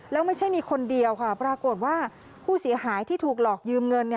แล้วไม่ใช่มีคนเดียวค่ะปรากฏว่าผู้เสียหายที่ถูกหลอกยืมเงิน